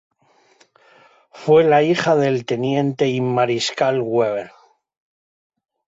Fue la hija del Teniente y Mariscal Weber.